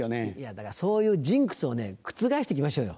だからそういうジンクスを覆して行きましょうよ。